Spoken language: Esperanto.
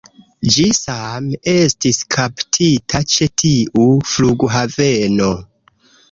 Ĝi same estis kaptita ĉe tiu flughaveno